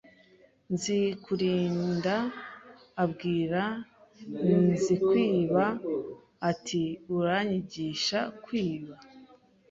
Nzikurinda abwira Nzikwiba ati Uranyigisha kwiba